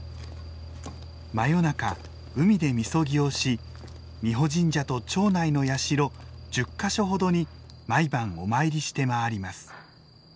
真夜中海で禊をし美保神社と町内の社１０か所ほどに毎晩お参りして回ります。